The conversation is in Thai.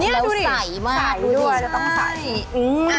นี่เลยดูดิแล้วใสมากดูดิเนี่ยดูดิแล้วต้องใส